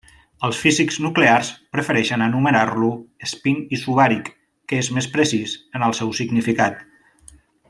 Els físics nuclears prefereixen anomenar-lo espín isobàric, que és més precís en el seu significat.